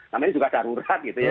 namanya juga darurat gitu ya